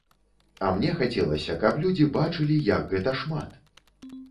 А мне хацелася, каб людзі бачылі, як гэта шмат.